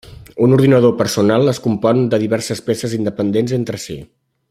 Un ordinador personal es compon de diverses peces independents entre si.